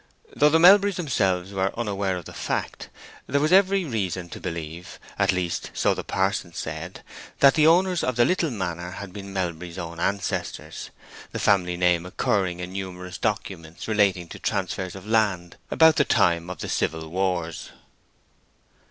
Though the Melburys themselves were unaware of the fact, there was every reason to believe—at least so the parson said—that the owners of that little manor had been Melbury's own ancestors, the family name occurring in numerous documents relating to transfers of land about the time of the civil wars.